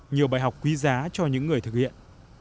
nhiều bài học quý giá cho những người thực hiện